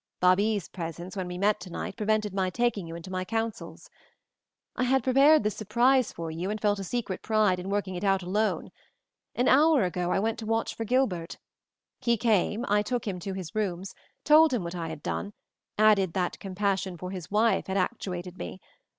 Babie's presence when we met tonight prevented my taking you into my counsels. I had prepared this surprise for you and felt a secret pride in working it out alone. An hour ago I went to watch for Gilbert. He came, I took him to his rooms, told him what I had done, added that compassion for his wife had actuated me.